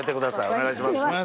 お願いします。